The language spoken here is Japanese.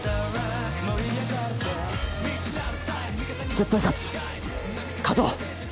絶対勝つ勝とう！